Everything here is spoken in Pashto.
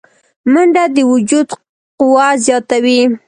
منډه د وجود قوه زیاتوي